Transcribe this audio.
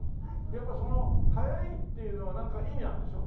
やっぱその早いっていうのはなんか意味あるんでしょ？